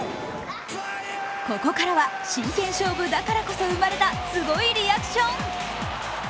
ここからは真剣勝負だからこそ生まれたすごいリアクション。